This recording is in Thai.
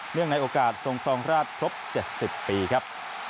เนื่องในโอกาสทรงทรองราชทรบ๗๐ปีครับ